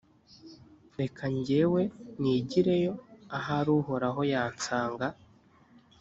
reka njyewe nigireyo, ahari uhoraho yansanga.